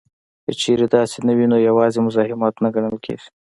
که چېرې داسې نه وي نو یوازې مزاحمت نه ګڼل کیږي